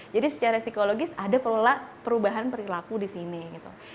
jadi secara psikologis ada perubahan perilaku di sini gitu